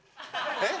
えっ？